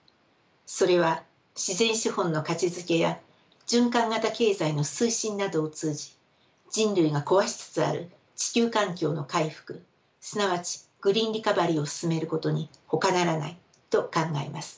それは自然資本の価値づけや循環型経済の推進などを通じ人類が壊しつつある地球環境の回復すなわちグリーン・リカバリーを進めることにほかならないと考えます。